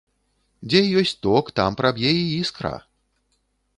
Дзе ёсць ток, там праб'е і іскра.